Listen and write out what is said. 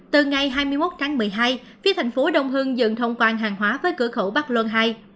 từ ngày hai mươi một tháng một mươi hai phía thành phố đông hưng dần thông quan hàng hóa với cửa khẩu bắc luân ii